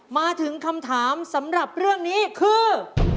มาถึงคำถามสำหรับเรื่องนี้คือ